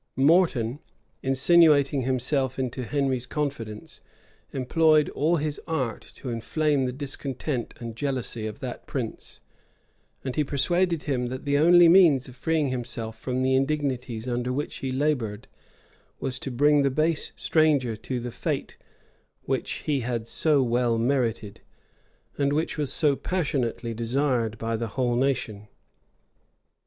Morton, insinuating himself into Henry's confidence, employed all his art to inflame the discontent and jealousy of that prince; and he persuaded him, that the only means of freeing himself from the indignities under which he labored, was to bring the base stranger to the fate which he had so well merited, and which was so passionately desired by the whole nation.